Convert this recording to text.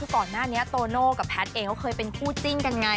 ตรงนี้โตโน้วกับแพทย์เองเขาเคยเป็นคู่จิ้งกันไง